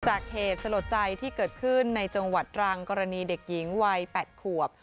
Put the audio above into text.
เหตุสลดใจที่เกิดขึ้นในจังหวัดตรังกรณีเด็กหญิงวัย๘ขวบ